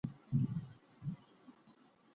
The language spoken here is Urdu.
بھی یا نہیں۔